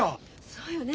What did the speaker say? そうよね。